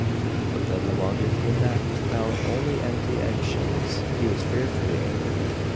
But when the Mugger came back, and found only empty egg shells he was fearfully angry.